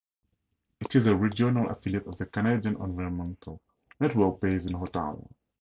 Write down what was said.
It is a regional affiliate of the Canadian Environmental Network, based in Ottawa.